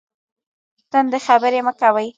تندې خبرې مه کوئ